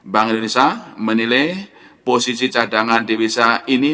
bank indonesia menilai posisi cadangan divisa ini